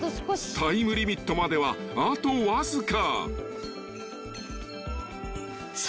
［タイムリミットまではあとわずか］